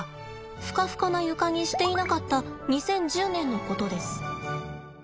フカフカな床にしていなかった２０１０年のことです。